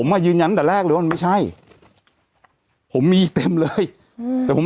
มายืนยันตั้งแต่แรกเลยว่ามันไม่ใช่ผมมีอีกเต็มเลยอืมแต่ผม